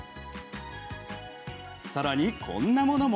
さらに、こんなものも。